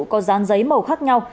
có dán giấy màu khác nhau